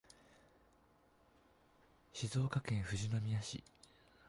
静岡県富士宮市